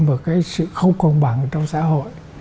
một cái sự không công bằng trong xã hội